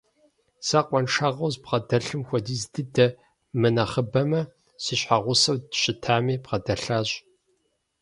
Сэ къуаншагъэу збгъэдэлъым хуэдиз дыдэ, мынэхъыбэмэ, си щхьэгъусэу щытами бгъэдэлъащ.